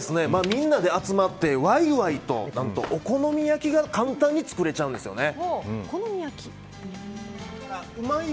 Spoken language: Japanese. みんなで集まってワイワイとお好み焼きが簡単に作れちゃうんですよね。